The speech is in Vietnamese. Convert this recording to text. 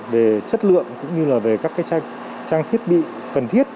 về chất lượng cũng như là về các trang thiết bị cần thiết